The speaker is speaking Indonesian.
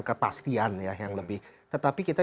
kepastian ya yang lebih tetapi kita